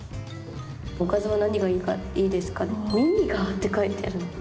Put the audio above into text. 「おかずは何がいいですか？」。